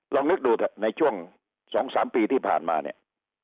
ลองนึกดูเถอะในช่วง๒๓ปีที่ผ่านมาเนี่ย